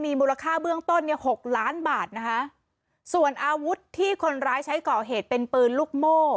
มูลค่าเบื้องต้นเนี่ยหกล้านบาทนะคะส่วนอาวุธที่คนร้ายใช้ก่อเหตุเป็นปืนลูกโม่